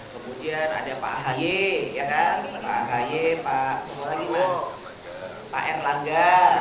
kemudian ada pak haye pak erlangga